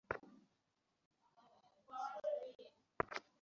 অনিল যদি কখনো তাঁর জন্মদাত্রী মায়ের দেখা পান, তখন তিনি মাকে ধন্যবাদ দেবেন।